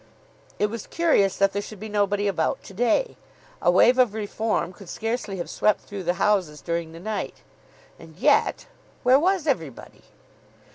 It was curious that there should be nobody about to day. A wave of reform could scarcely have swept through the houses during the night. And yet where was everybody?